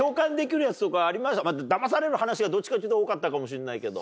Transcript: ダマされる話がどっちかというと多かったかもしれないけど。